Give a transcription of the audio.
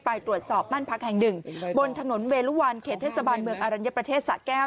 ไปตรวจสอบบ้านพักแห่งหนึ่งบนถนนเวลุวันเขตเทศบาลเมืองอรัญญประเทศสะแก้ว